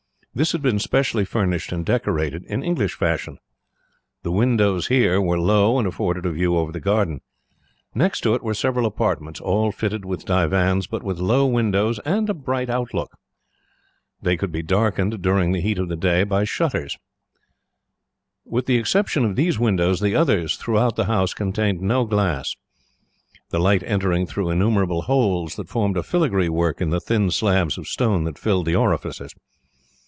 This had been specially furnished and decorated, in English fashion. The windows here were low, and afforded a view over the garden. Next to it were several apartments, all fitted with divans, but with low windows and a bright outlook. They could be darkened, during the heat of the day, by shutters. With the exception of these windows, the others throughout the house contained no glass, the light entering through innumerable holes that formed a filigree work in the thin slabs of stone that filled the orifices.